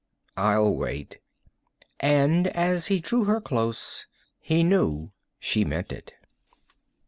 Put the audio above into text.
"I'll wait." And as he drew her close, he knew she meant it.